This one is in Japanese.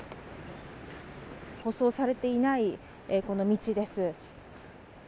舗装されていない道です。